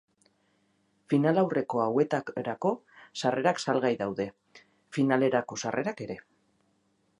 Finalaurreko hauetarako sarrerak salgai daude finalerako sarrerak ere.